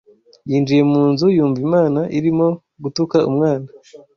Yinjiye mu nzu yumva Imana irimo gutuka umwana